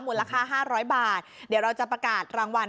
มูลค่า๕๐๐บาทเดี๋ยวเราจะประกาศรางวัล